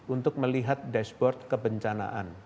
untuk melihat dashboard kebencanaan